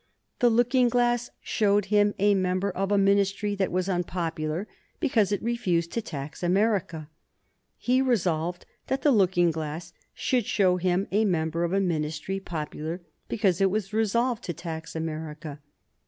The looking glass showed him a member of a Ministry that was unpopular because it refused to tax America. He resolved that the looking glass should show him a member of a Ministry popular because it was resolved to tax America.